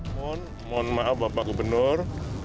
mohon maaf bapak gubernur